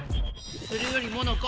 それよりモノコ